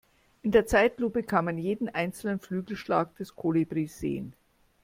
In der Zeitlupe kann man jeden einzelnen Flügelschlag des Kolibris sehen.